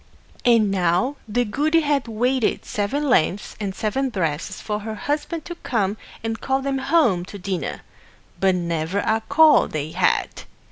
And now the goody had waited seven lengths and seven breadths for her Husband to come and call them home to dinner; but never a call they had.